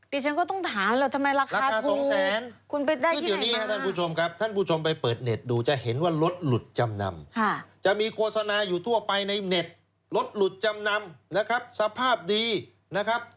นี่ฉันก็ต้องถามเหรอทำไมราคา๒แสน